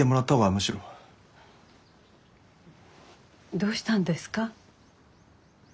どうしたんですか？